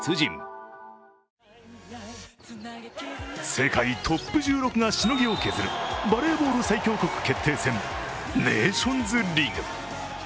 世界トップ１６がしのぎを削るバレーボール最強国決定戦ネーションズリーグ。